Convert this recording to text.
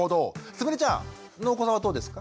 すみれちゃんのお子さんはどうですか？